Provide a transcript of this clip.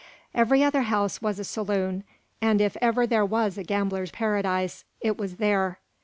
Every other house was a saloon, and if ever there was a gambler's paradise, it was there.